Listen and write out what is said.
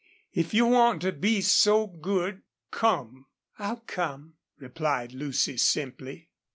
If you want to be so good come." "I'll come," replied Lucy, simply.